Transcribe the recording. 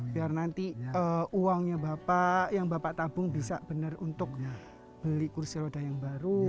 biar nanti uangnya bapak yang bapak tabung bisa benar untuk beli kursi roda yang baru